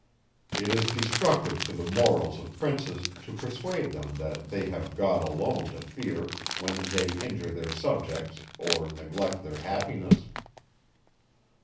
It is destructive to the morals of princes, to persuade them that they have God alone to fear, when they injure their subjects, or neglect their happiness.